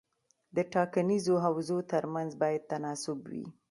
د ټاکنیزو حوزو ترمنځ باید تناسب وي.